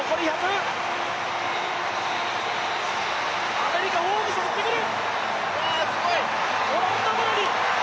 アメリカ、ホームズ追ってくる！